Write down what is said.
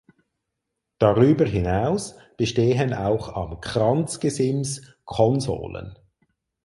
Darüber hinaus bestehen auch am Kranzgesims Konsolen.